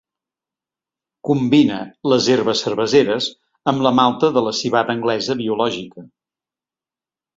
Combina les herbes cerveseres amb la malta de la civada anglesa biològica.